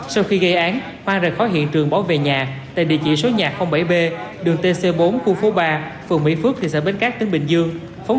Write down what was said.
sau khi gây án hoang rời khỏi hiện trường bảo vệ nhà tại địa chỉ số nhạc bảy b đường tc bốn khu phố ba phường mỹ phước thị xã bến cát tỉnh bình dương